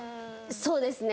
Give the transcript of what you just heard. そうですね。